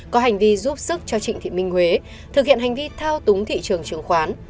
có hành vi giúp sức cho trịnh thị minh huế thực hiện hành vi thao túng thị trường chứng khoán